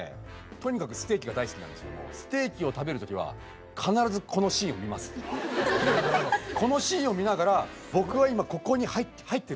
とにかくステーキが大好きなんですけどもこのシーンを見ながら僕は今ここに入ってると。